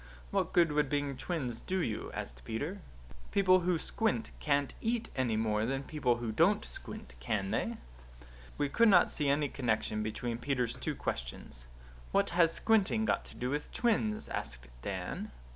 "What good would being twins do you?" asked Peter. "People who squint can't eat any more than people who don't squint, can they?" We could not see any connection between Peter's two questions. "What has squinting got to do with twins?" asked Dan.